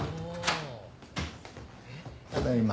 ただいま。